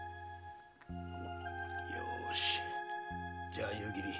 よしじゃあ夕霧